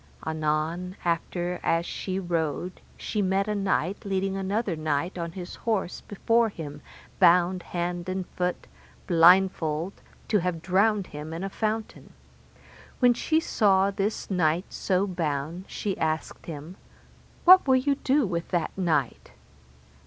Anon after as she rode she met a knight leading another knight on his horse before him, bound hand and foot, blindfold, to have drowned him in a fountain. When she saw this knight so bound, she asked him, What will ye do with that knight?